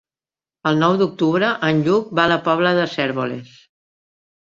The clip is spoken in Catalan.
El nou d'octubre en Lluc va a la Pobla de Cérvoles.